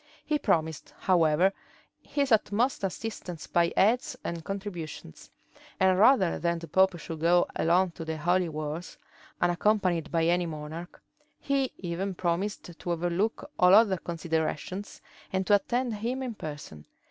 He promised, however, his utmost assistance by aids and contributions; and rather than the pope should go alone to the holy wars, unaccompanied by any monarch, he even promised to overlook all other considerations, and to attend him in person.